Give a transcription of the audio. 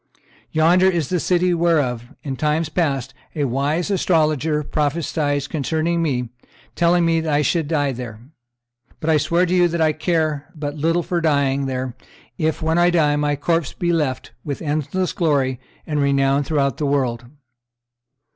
Yonder is the city whereof, in time past, a wise astrologer prophesied concerning me, telling me that I should die there; but I swear to you that I care but little for dying there, if, when I die, my corpse be left with endless glory and renown throughout the world."